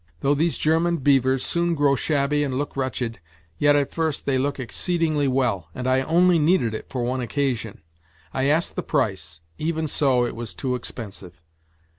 Though these German beavers soon grow shabby and look wretched, yet at first they look exceedingly well, and I only needed it for one occasion. I asked the price ; even so, it was too expensive.